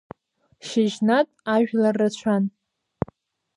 Шьыжьнатә ажәлар рацәан.